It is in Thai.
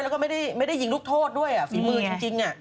แล้วก็ไม่ได้ยิงลูกโทษด้วยฝีมือจริง